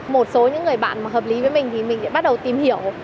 một số những người bạn mà hợp lý với mình thì mình sẽ bắt đầu tìm hiểu